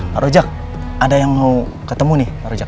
pak rojak ada yang mau ketemu nih pak rojak